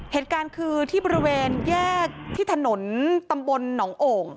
เหตุการณ์คือที่บริเวณแยกที่ถนนตำบลหนองโอ่ง